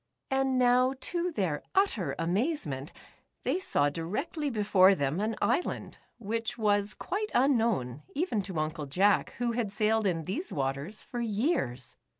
And now, to their utter amazement, they saw directly before them an isl and which was quite unknown, even to Uncle Jack who had sailed in these waters for years.